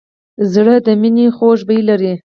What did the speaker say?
زړه د مینې خوږ بوی لري.